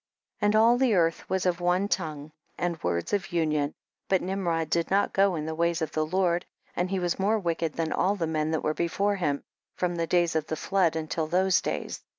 46. And all the earth was of one tongue and words of union, but Nim rod did not go in the ways of the Lord, and he was more wicked than all the men that were before him, from the days of the flood until those days.